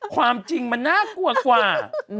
ความจริงมันน่ากลัวกว่า